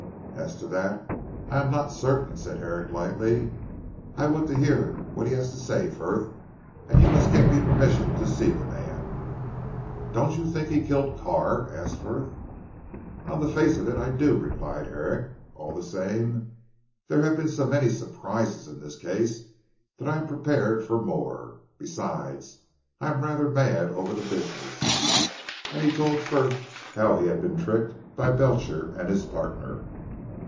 "As to that, I am not certain," said Herrick lightly, "I want to hear what he has to say Frith, and you must get me permission to see the man." "Don't you think he killed Carr?" asked Frith. "On the face of it, I do," replied Herrick, "all the same there have been so many surprises in this case that I am prepared for more. Besides, I am rather mad over the business," and he told Frith how he had been tricked by Belcher and his partner.